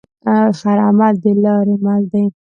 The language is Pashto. هر عمل دلارې مل دی.